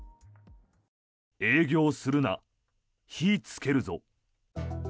営業するな火つけるぞ。